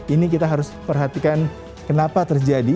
ini kita harus perhatikan kenapa terjadi